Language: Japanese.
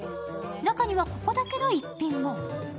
中にはここだけの逸品も。